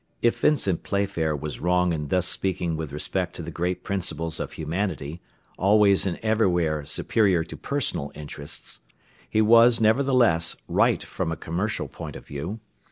If Vincent Playfair was wrong in thus speaking with respect to the great principles of humanity, always and everywhere superior to personal interests, he was, nevertheless, right from a commercial point of view.